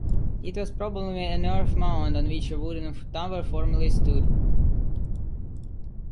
It was probably an earth mound on which a wooden tower formerly stood.